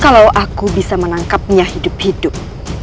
kalau aku bisa menangkapnya hidup hidup